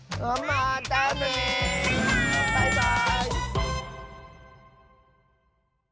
バイバーイ！